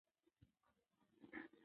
وګړي د افغانستان د طبعي سیسټم توازن ساتي.